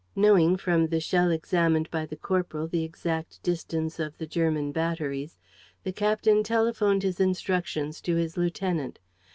Knowing, from the shell examined by the corporal, the exact distance of the German batteries, the captain telephoned his instructions to his lieutenant.